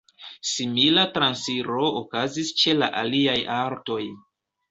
Simila transiro okazis ĉe la aliaj artoj.